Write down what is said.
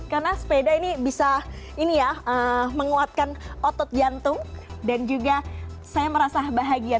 karena sepeda ini bisa ini ya menguatkan otot jantung dan juga saya merasa bahagia